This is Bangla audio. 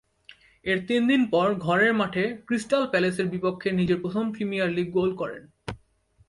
এর তিন দিন পর ঘরের মাঠে ক্রিস্টাল প্যালেসের বিপক্ষে নিজের প্রথম প্রিমিয়ার লিগ গোল করেন।